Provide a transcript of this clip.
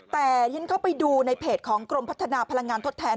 แต่ฉันเข้าไปดูในเพจของกรมพัฒนาพลังงานทดแทน